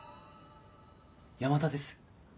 山田です。